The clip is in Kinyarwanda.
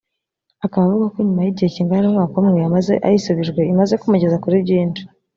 Akaba avuga ko nyuma y’igihe kingana n’umwaka umwe amaze ayisubijwe imaze kumugeza kuri byinshi